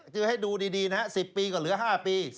คือให้ดูดีนะฮะ๑๐ปีก็เหลือ๕ปี